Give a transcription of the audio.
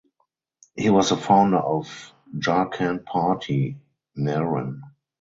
He was the founder of Jharkhand Party (Naren).